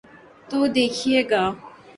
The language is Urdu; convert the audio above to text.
تو دیکھیے گا۔